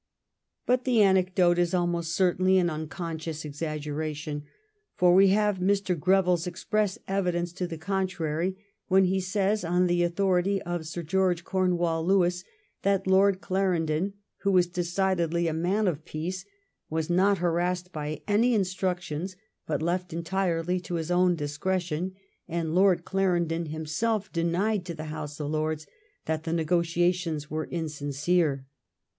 Bat the anecdote is almost certainly an anconscions exag geration. For we have Mr. Oreville's express evidence to the contrary, when he says, on the authority of Sir Oeorge Gornewall Lewis, that Lord Clarendon^ who was decidedly a man of peace, was not harassed by any instructions, but left entirely to his own discretion ; and Lord Clarendon himself denied in the House of Lords that the negotiations were insincere.